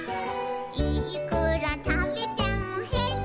「いくらたべてもへるもんな」